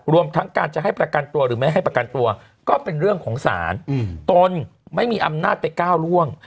รวมทั้งการจะให้ประกันตัวหรือไม่ให้ประกันตัวก็เป็นเรื่องของศาลตนไม่มีอำนาจไปก้าวร่วง